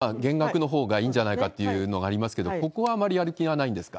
野党の中には、これ、社会保険料の減額のほうがいいんじゃないかっていうのがありますけれども、ここはあまりやる気はないんですか？